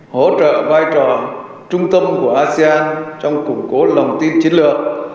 hỗ trợ vai trò trung tâm của asean trong củng cố lòng tin chiến lược